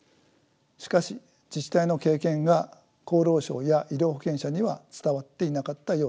しかし自治体の経験が厚労省や医療保険者には伝わっていなかったようです。